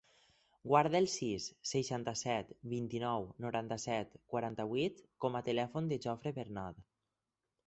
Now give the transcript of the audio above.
Guarda el sis, seixanta-set, vint-i-nou, noranta-set, quaranta-vuit com a telèfon del Jofre Bernad.